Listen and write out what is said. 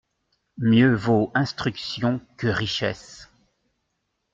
Mieux vaut instruction que richesse.